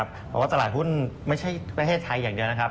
เพราะว่าตลาดหุ้นไม่ใช่ประเทศไทยอย่างเดียวนะครับ